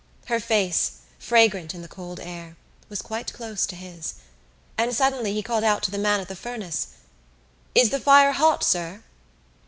Her face, fragrant in the cold air, was quite close to his; and suddenly he called out to the man at the furnace: "Is the fire hot, sir?"